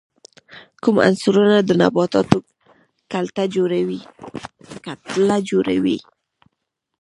کوم عنصرونه د نباتاتو کتله جوړي؟